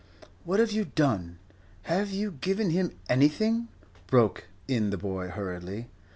"What have you done? Have you given him anything?" broke in the boy, hurriedly.